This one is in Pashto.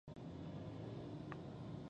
ژورې سرچینې د افغانستان د ملي هویت نښه ده.